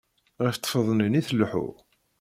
Ɣef tfednin i tleḥḥu.